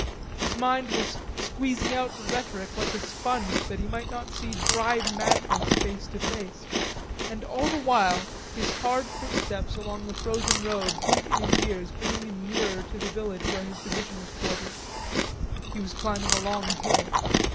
His mind was squeezing out rhetoric like a sponge that he might not see dry madness face to face. And all the while his hard footsteps along the frozen road beat in his ears bringing him nearer to the village where the division was quartered. He was climbing a long hill.